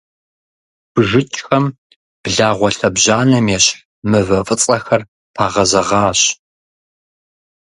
БжыкӀхэм благъуэ лъэбжьанэм ещхь мывэ фӀыцӀэхэр пагъэзэгъащ.